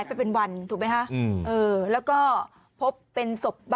แล้วน้องป่วยเป็นเด็กออทิสติกของโรงเรียนศูนย์การเรียนรู้พอดีจังหวัดเชียงใหม่นะคะ